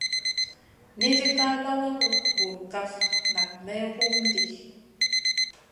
Nisi ká lawagu burkaf nak may hum ɗi.